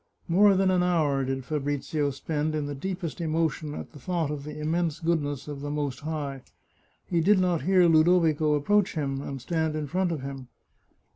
More than an hour did Fabrizio spend in the deepest emotion at the thought of the immense goodness of the Most High. He did not hear Ludovico approach him and stand in front of him.